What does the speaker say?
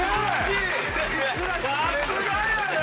さすがやな！